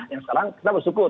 yang sekarang kita bersyukur